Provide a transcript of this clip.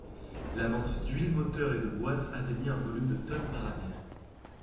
La vente d'huiles moteur et de boîtes atteignait un volume de tonnes par année.